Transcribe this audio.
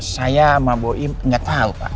saya sama bu im gak tau pak